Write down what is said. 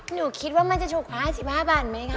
หนูคิดว่ามันจะถูกกว่า๕๕บาทไหมคะ